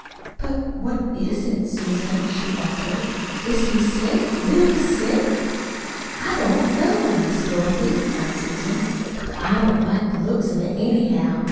"But what IS it, Susan?" she faltered. "Is he sick, really sick?" "I don't know, Miss Dorothy," frowned Susan. "But I don't like the looks of it, anyhow.